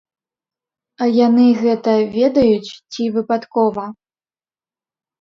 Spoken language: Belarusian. А яны гэта ведаюць ці выпадкова?